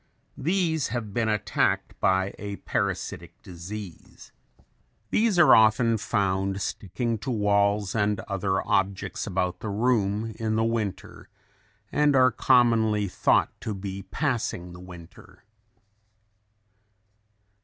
These have been attacked by a parasitic disease. These are often found sticking to walls and other objects about the room in the winter, and are commonly thought to be passing the winter.